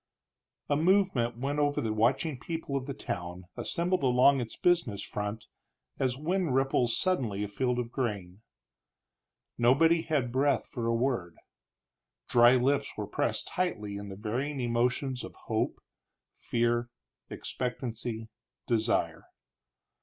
A movement went over the watching people of the town, assembled along its business front, as wind ripples suddenly a field of grain. Nobody had breath for a word; dry lips were pressed tightly in the varying emotions of hope, fear, expectancy, desire.